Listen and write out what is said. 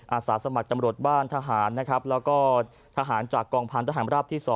อาศาสตร์สมัครตำรวจบ้านทหารและก็ทหารจากกองพันธ์ทหารลูกที่๒